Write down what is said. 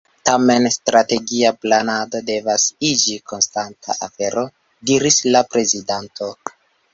Tamen strategia planado devas iĝi konstanta afero, diris la prezidanto.